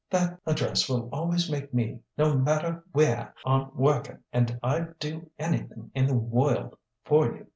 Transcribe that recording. That ad dress will always make me, no mattah wheah 'm woikin': and I'd do anythin' in the woild for you.